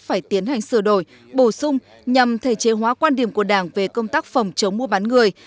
phải tiến hành sửa đổi bổ sung nhằm thể chế hóa quan điểm của đảng về công tác phòng chống mua bán người